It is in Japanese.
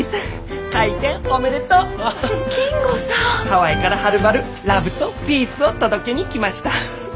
ハワイからはるばるラブとピースを届けに来ました。